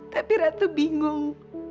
tapi ratu bingung